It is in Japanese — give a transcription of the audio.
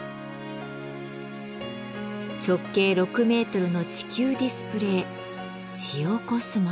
直径６メートルの地球ディスプレー「ジオ・コスモス」。